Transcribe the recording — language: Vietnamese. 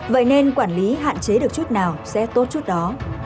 vậy nên quản lý hạn chế được chút nào sẽ tốt chút đó